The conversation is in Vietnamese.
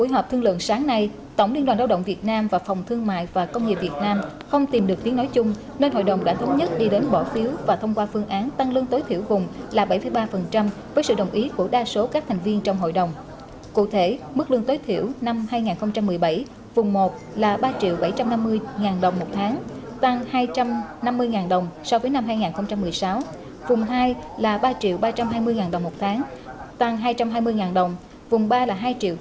hội đồng tiền lương quốc gia đã hợp báo công bố phương án tăng lương tối thiểu vùng năm hai nghìn một mươi bảy từ một trăm tám mươi đến hai trăm năm mươi đồng tăng trung bình bảy ba để trình chính phủ thông qua